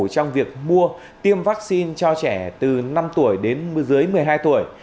trong việc mua tiêm vaccine cho trẻ từ năm tuổi đến dưới một mươi hai tuổi